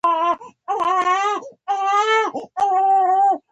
برټانیه دې د ده او کورنۍ قدرت تضمین کړي.